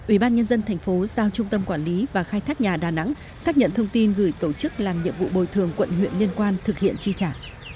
ubnd tp giao trung tâm quản lý và khai thác nhà đà nẵng xác nhận thông tin gửi tổ chức làm nhiệm vụ bồi thường quận huyện liên quan thực hiện chi trả